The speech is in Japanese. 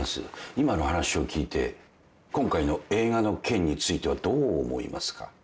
今の話を聞いて今回の映画の件についてはどう思いますか？